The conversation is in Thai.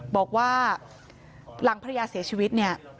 บอกว่าหลังภรรยาเสียชีวิต